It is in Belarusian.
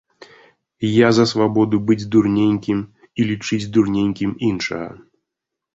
Я за свабоду быць дурненькім і лічыць дурненькім іншага.